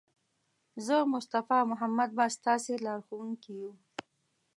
زه، مصطفی او محمد به ستاسې لارښوونکي یو.